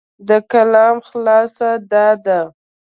د کلام خلاصه دا ده،